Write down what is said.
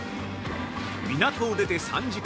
港を出て３時間。